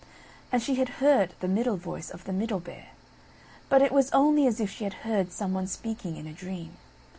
And she had heard the middle voice, of the Middle Bear, but it was only as if she had heard some one speaking in a dream.